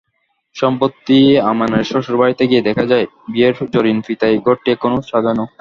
সম্প্রতি আমেনার শ্বশুরবাড়িতে গিয়ে দেখা যায়, বিয়ের জরিন ফিতায় ঘরটি এখনো সাজানো।